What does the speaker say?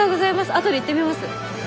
あとで行ってみます。